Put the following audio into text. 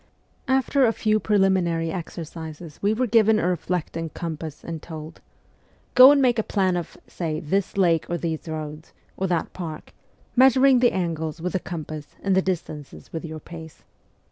After a few pre liminary exercises we were given a reflecting compass and told :' Go and make a plan of, say, this lake or those roads, or that park, measuring the angles with the compass and the distances with your pace.'